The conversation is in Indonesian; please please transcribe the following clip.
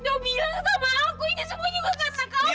dok bilang sama aku ini semua juga karena kamu